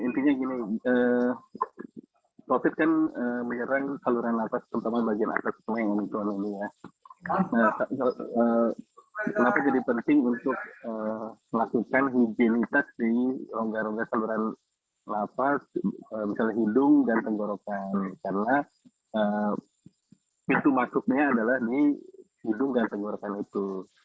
pertama pintu masuknya adalah hidung dan tenggorokan itu